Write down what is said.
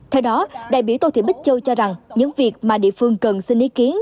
theo đó đại biểu tô thị bích châu cho rằng những việc mà địa phương cần xin ý kiến